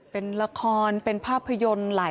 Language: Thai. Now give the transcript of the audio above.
สวัสดีครับคุณผู้ชาย